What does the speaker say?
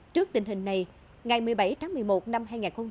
trước tình hình này ngày một mươi bảy tháng một mươi một năm hai nghìn một mươi bảy